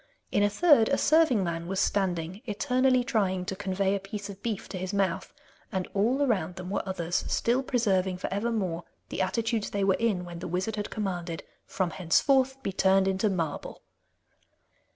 In a third, a serving man was standing eternally trying to convey a piece of beef to his mouth, and all around them were others, still preserving for evermore the attitudes they were in when the wizard had commanded 'From henceforth be turned into marble.